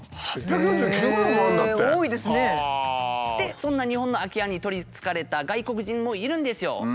そんな日本の空き家に取りつかれた外国人もいるんですよ。